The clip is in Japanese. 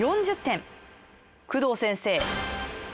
工藤先生。